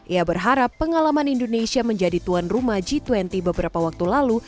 ia berharap pengalaman indonesia menjadi tuan rumah g dua puluh beberapa waktu lalu